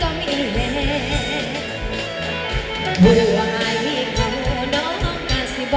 ฮีหัวไม้่างตัวแบบ